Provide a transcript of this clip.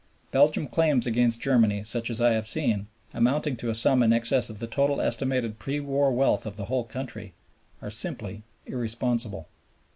Belgian claims against Germany such as I have seen, amounting to a sum in excess of the total estimated pre war wealth of the whole country, are simply irresponsible.